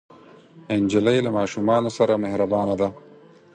نجلۍ له ماشومانو سره مهربانه ده.